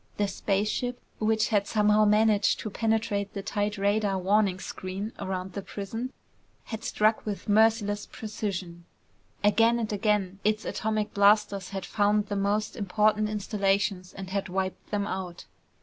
The spaceship, which had somehow managed to penetrate the tight radar warning screen around the prison, had struck with merciless precision. Again and again, its atomic blasters had found the most important installations and had wiped them out.